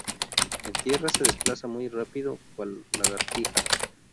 En tierra se desplaza muy rápido, cual lagartija.